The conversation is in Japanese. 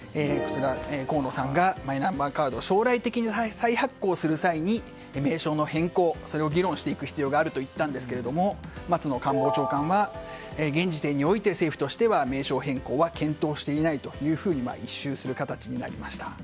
河野さんが、マイナンバーカード将来的に再発行する際に名称の変更を議論していく必要があると言ったんですが松野官房長官は現時点において政府としては名称変更は検討していないというふうに一蹴する形になりました。